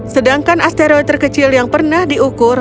sedangkan asteroi terkecil yang pernah diukur